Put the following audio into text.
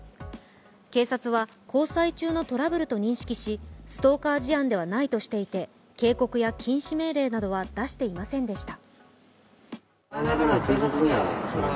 警察は交際中のトラブルと認識し、ストーカー事案ではないとしていて、警告や禁止命令などは出していませんでした。